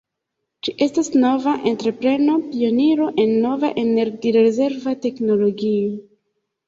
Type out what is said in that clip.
Ĝi estas nova entrepreno, pioniro en nova energi-rezerva teknologio.